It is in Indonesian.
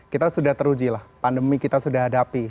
kita sudah teruji lah pandemi kita sudah hadapi